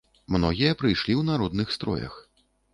Многія прыйшлі ў народных строях.